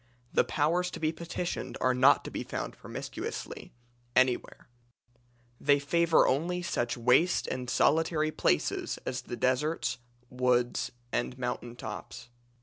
The powers to be petitioned are not to be found promiscuously anywhere. They favour only such waste and solitary places as the deserts, woods, and mountain tops.